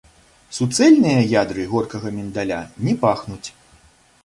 Суцэльныя ядры горкага міндаля не пахнуць.